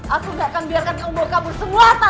aku gak akan biarkan kamu kabur semua takut